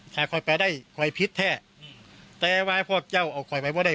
ค่อยไปได้คอยพิษแท้แต่ว่าพ่อเจ้าเอาคอยไปว่าได้